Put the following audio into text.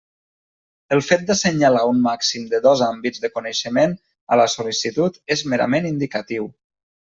El fet d'assenyalar un màxim de dos àmbits de coneixement a la sol·licitud és merament indicatiu.